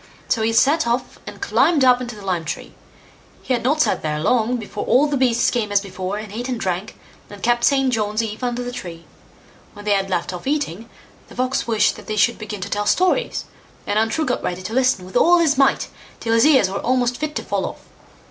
So he set off and climbed up into the lime tree. He had not sat there long, before all the beasts came as before, and ate and drank, and kept St. John's eve under the tree. When they had left off eating, the Fox wished that they should begin to tell stories, and Untrue got ready to listen with all his might, till his ears were almost fit to fall off.